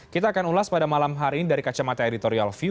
kita akan ulas pada malam hari ini dari kacamata editorial view